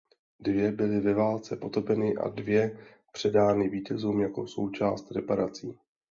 Dvě byly ve válce potopeny a dvě předány vítězům jako součást reparací.